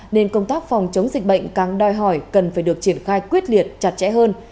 nên công tác phòng chống dịch bệnh càng đòi hỏi cần phải được triển khai quyết liệt chặt chẽ hơn